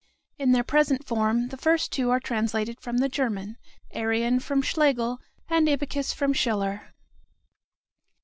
In their present form, the first two are translated from the German, Arion from Schlegel, and Ibycus from Schiller.